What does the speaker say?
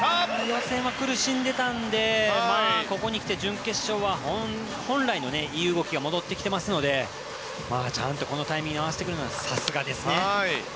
予選は苦しんでたんでここにきて準決勝は本来のいい動きが戻ってきていますのでちゃんとこのタイミングに合わせてくるのはさすがですね。